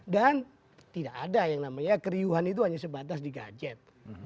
dan tidak ada yang namanya keriuhan itu hanya sebatas digajet